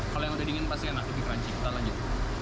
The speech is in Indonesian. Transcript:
kalau yang udah dingin pasti enak lebih crunchy kita lanjut